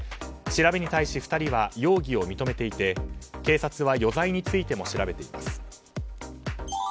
調べに対し２人は容疑を認めていて警察は余罪についても調べています。